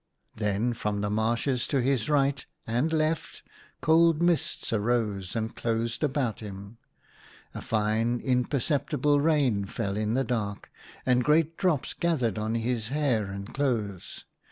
Then from the marshes to his right and left cold mists arose and closed about him. A fine, imperceptible rain fell in the dark, and great drops gathered on his hair and clothes.